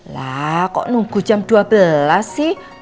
lah kok nunggu jam dua belas sih